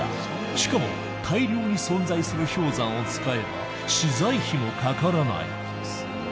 しかも大量に存在する氷山を使えば資材費もかからない。